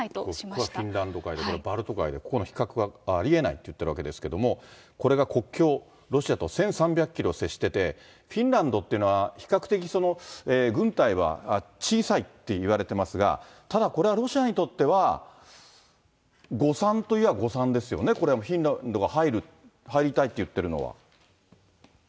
これ、フィンランドで、バルト海でここの非核はありえないと言ってるわけですけれども、これが国境、ロシアと１３００キロ接してて、フィンランドというのは、比較的、軍隊は小さいっていわれてますが、ただこれはロシアにとっては、誤算といえば誤算ですよね、これも、フィンランドが入る、入りたいと言っているのは。